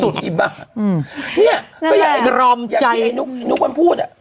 นี่ก็อย่าให้เงินคนพูด